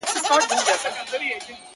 سوځوي چي زړه د وينو په اوبو کي,